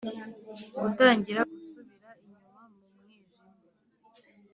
gutangira gusubira inyuma mu mwijima